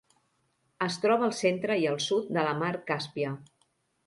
Es troba al centre i el sud de la mar Càspia.